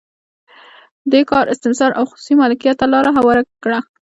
دې کار استثمار او خصوصي مالکیت ته لار هواره کړه.